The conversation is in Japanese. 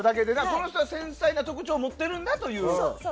この人は繊細な特徴を持っているんだと。